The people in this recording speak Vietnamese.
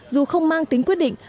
dù không mang tính quyết định